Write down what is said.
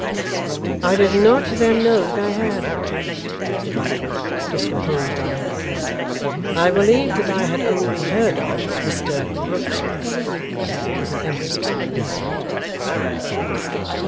'I did not then know that I had,' said Lightwood, discomposed on her account. 'I believed that I had only heard of Mr Rokesmith.' With an emphasis on the name.